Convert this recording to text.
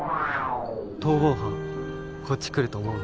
逃亡犯こっち来ると思う？